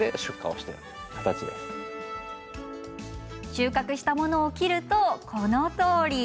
収穫したものを切るとこのとおり。